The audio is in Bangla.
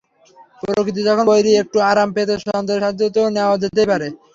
প্রকৃতি যখন বৈরী, একটু আরাম পেতে যন্ত্রের সাহায্য তো নেওয়া যেতেই পারে।